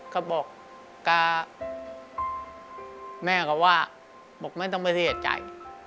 เขาบอกก็แม่เขาว่าบอกไม่ต้องเป็นเสียจริงใจ